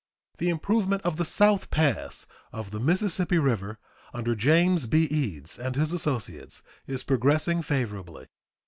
The improvement of the South Pass of the Mississippi River, under James B. Eads and his associates, is progressing favorably.